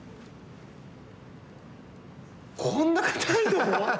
こんな硬いの？